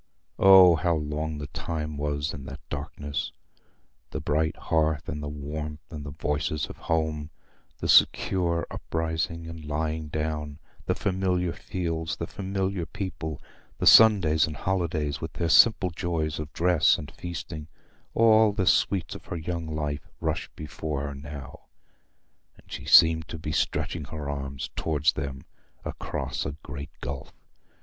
Oh how long the time was in that darkness! The bright hearth and the warmth and the voices of home, the secure uprising and lying down, the familiar fields, the familiar people, the Sundays and holidays with their simple joys of dress and feasting—all the sweets of her young life rushed before her now, and she seemed to be stretching her arms towards them across a great gulf.